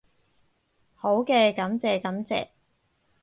好嘅，感謝感謝